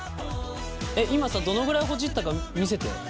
今どのくらいほじったか見せて。